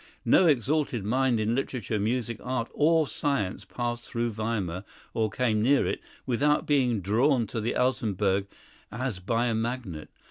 No exalted mind in literature, music, art or science passed through Weimar, or came near it, without being drawn to the Altenburg as by a magnet.